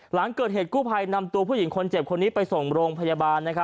หลังเกิดเหตุกู้ภัยนำตัวผู้หญิงคนเจ็บคนนี้ไปส่งโรงพยาบาล